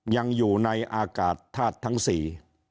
ยังอยู่ในอากาศธาตุทั้งสี่